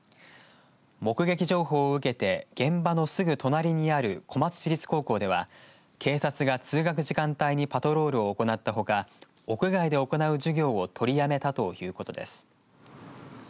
目撃情報を受けて現場のすぐ隣にある小松市立高校では警察が通学時間帯にパトロールを行ったほか屋外で行う授業を取りやめたということです。